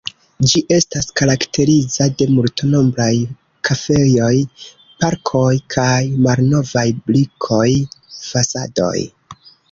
Ĝi estas karakterizita de multnombraj kafejoj, parkoj kaj malnovaj brikoj fasadoj.